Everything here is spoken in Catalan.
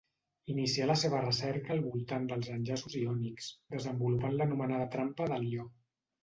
Inicià la seva recerca al voltant dels enllaços iònics, desenvolupant l'anomenada trampa de l'ió.